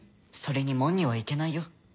それに門には行けないよ。